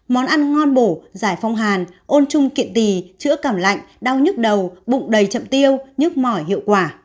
món ăn ngon bổ giải phong hàn ôn chung kiện tì chữa cảm lạnh đau nhức đầu bụng đầy chậm tiêu nhức mỏi hiệu quả